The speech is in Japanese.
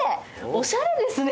おしゃれですね。